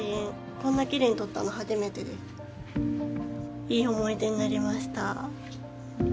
こんなきれいに撮ったの初めてですいい思い出になりました